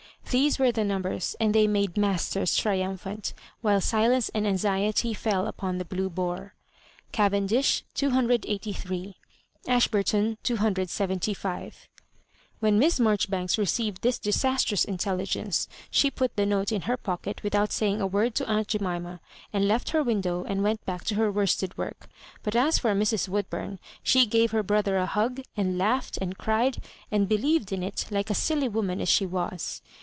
These were the numbers; and they made Masters triumphanl^ while silence and anxiety fell upon the Blue Boar: — Cavendish, Ashburton, . 276 When Miss Marjoribanks received this disas trous intelligence, she put the note in her pocket without saying a word to aunt Jemima, and left her window, and went back to her worsted work ; but as for Mrs. Woodbum, she gave her brother a hug, and laughed, and cried, and believed in it, like a silly woman as she was.